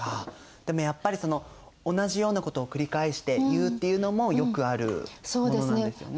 でもやっぱりその同じようなことを繰り返して言うっていうのもよくあるものなんですよね。